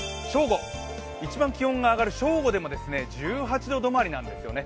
一番気温が上がる正午でも１８度止まりなんですよね。